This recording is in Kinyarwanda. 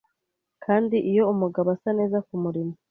kandi iyo umugabo asa neza Kumurimo